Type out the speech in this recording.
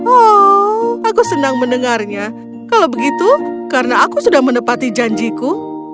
oh aku senang mendengarnya kalau begitu karena aku sudah menepati janjiku